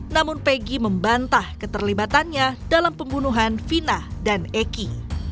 namun peggy membantah keterlibatannya dalam pembunuhan fina dan eki